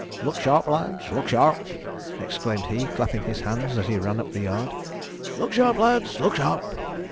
'Look sharp, lads! look sharp!' exclaimed he, clapping his hands as he ran up the yard. 'Look sharp, lads! look sharp!'